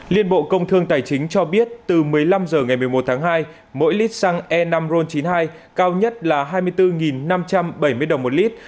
liên bộ công thương tài chính cho biết từ một mươi năm h ngày một mươi một tháng hai mỗi lít xăng e năm ron chín mươi hai cao nhất là hai mươi bốn năm trăm bảy mươi đồng một lít